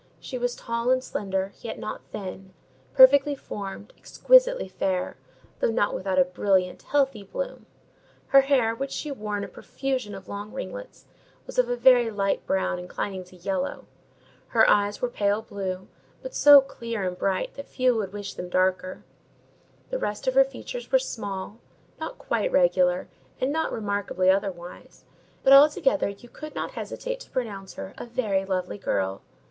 She was tall and slender, yet not thin; perfectly formed, exquisitely fair, though not without a brilliant, healthy bloom; her hair, which she wore in a profusion of long ringlets, was of a very light brown inclining to yellow; her eyes were pale blue, but so clear and bright that few would wish them darker; the rest of her features were small, not quite regular, and not remarkably otherwise: but altogether you could not hesitate to pronounce her a very lovely girl.